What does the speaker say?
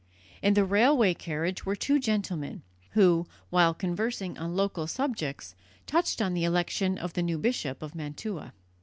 In the railway carriage were two gentlemen, who, while conversing on local subjects, touched on the election of the new bishop of Mantua.